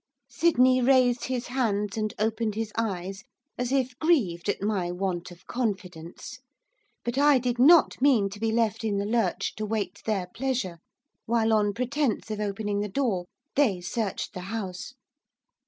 Sydney raised his hands and opened his eyes, as if grieved at my want of confidence. But I did not mean to be left in the lurch, to wait their pleasure, while on pretence of opening the door, they searched the house.